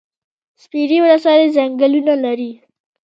سپیرې ولسوالۍ ځنګلونه لري؟